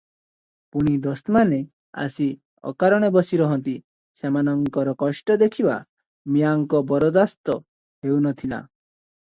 ପୁଣି ଦୋସ୍ତମାନେ ଆସି ଅକାରଣେ ବସି ରହନ୍ତି, ସେମାନଙ୍କର କଷ୍ଟ ଦେଖିବା ମିଆଁଙ୍କ ବରଦାସ୍ତ ହେଉ ନଥିଲା ।